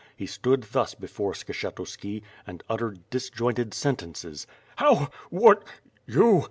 He stood thus before Skshetuski, and uttered dis jointed sentences. "How — what — ^you?